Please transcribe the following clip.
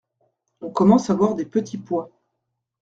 On commence à voir des petits pois.